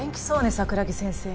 桜木先生